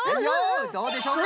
どうでしょうか？